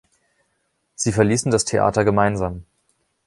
Sie verließen das Theater gemeinsam.